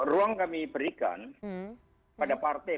ruang kami berikan pada partai